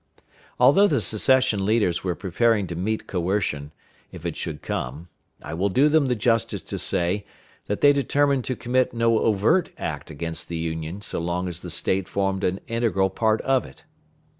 Although the secession leaders were preparing to meet coercion, if it should come, I will do them the justice to say that they determined to commit no overt act against the Union so long as the State formed an integral part of it.